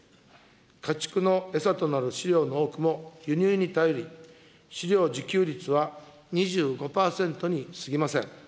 家畜の餌となる飼料の多くも輸入に頼り、飼料自給率は２５％に過ぎません。